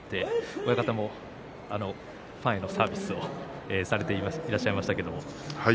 親方もファンへサービスをされていました。